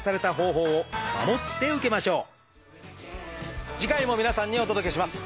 それは次回も皆さんにお届けします。